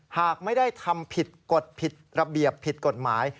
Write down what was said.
หากไม่ได้ทำผิดกฎผิดระเบียบผิดกฎหมาย